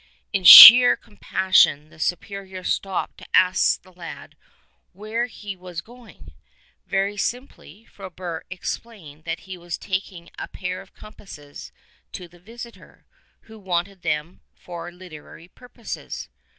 In sheer com passion the Superior stopped to ask the lad where he was going. Very simply, Frobert explained that he was taking "a pair of compasses" to the visitor — who wanted them for literary purposes.